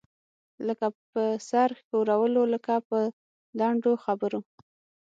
لکه په سر ښورولو، لکه په لنډو خبرو.